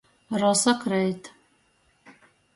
Rosa kreit.